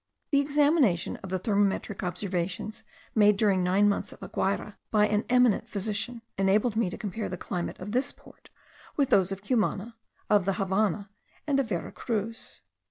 The examination of the thermometric observations made during nine months at La Guayra by an eminent physician, enabled me to compare the climate of this port, with those of Cumana, of the Havannah, and of Vera Cruz.